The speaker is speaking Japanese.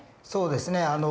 そうですね